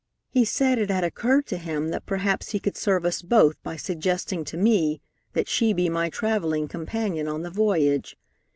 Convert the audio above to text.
He said it had occurred to him that perhaps he could serve us both by suggesting to me that she be my travelling companion on the voyage.